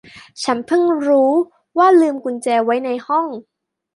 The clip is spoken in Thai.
ฉันเพิ่งรู้ว่าลืมกุญแจไว้ในห้อง